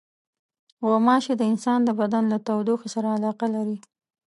غوماشې د انسان د بدن له تودوخې سره علاقه لري.